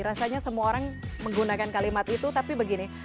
rasanya semua orang menggunakan kalimat itu tapi begini